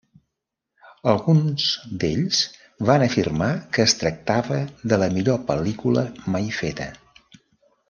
Alguns d'ells van afirmar que es tractava de la millor pel·lícula mai feta.